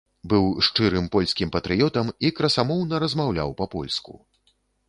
Быў шчырым польскім патрыётам і красамоўна размаўляў па-польку.